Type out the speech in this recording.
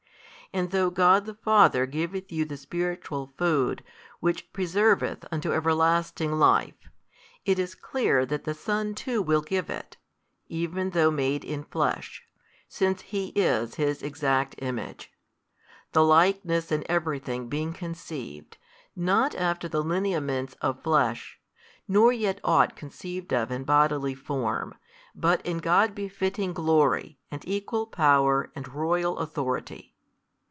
And |349 though God the Father giveth you the Spiritual Food, which preserveth unto everlasting life, it is clear that the Son too will give it, even though made in Flesh, since He is His Exact Image; the Likeness in every thing being conceived, not after the lineaments of flesh, nor yet ought conceived of in bodily form, but in God befitting glory and Equal Power and royal Authority.